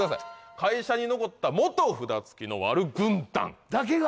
会社に残った元札付きのワル軍団だけが？